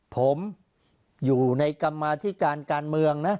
ผมอยู่ในกรรมาธิการการเมืองนะ